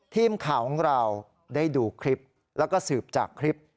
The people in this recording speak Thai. ทีมข่าวของเราได้ดูคลิปแล้วก็สืบจากคลิป